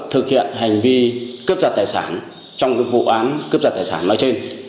thực hiện hành vi cướp giặt tài sản trong vụ án cướp giặt tài sản ở trên